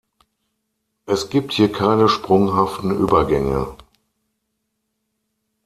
Es gibt hier keine sprunghaften Übergänge.